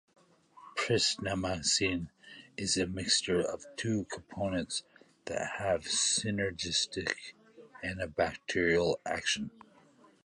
Pristinamycin is a mixture of two components that have a synergistic antibacterial action.